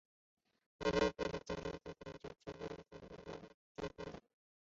安徽各地先后建立的军政分府有庐州军政分府等。